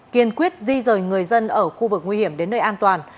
kiên quyết di rời người dân ở khu vực nguy hiểm đến nơi an toàn